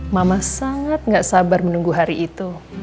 mama sangat gak sabar menunggu hari itu